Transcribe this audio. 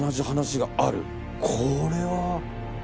これは。